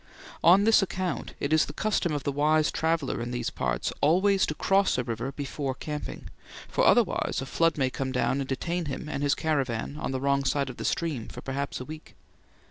On this account it is the custom of the wise traveller in these parts always to cross a river before camping, for otherwise a flood may come down and detain him and his caravan on the wrong side of the stream for perhaps a week.